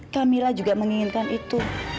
kamila juga menginginkan itu